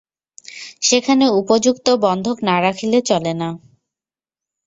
সেখানে উপযুক্ত বন্ধক না রাখিলে চলে না।